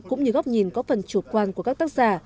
cũng như góc nhìn có phần chủ quan của các tác giả